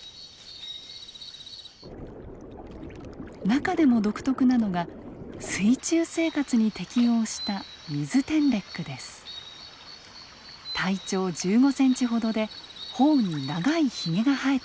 中でも独特なのが水中生活に適応した体長１５センチほどで頬に長いヒゲが生えています。